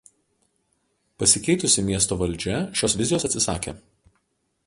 Pasikeitusi miesto valdžia šios vizijos atsisakė.